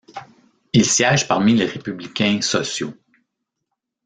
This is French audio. Il siège parmi les Républicains sociaux.